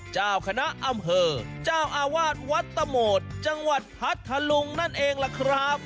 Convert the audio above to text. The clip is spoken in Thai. เจ้าคณะอำเภอเจ้าอาวาสวัดตะโหมดจังหวัดพัทธลุงนั่นเองล่ะครับ